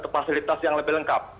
fasilitas yang lebih lengkap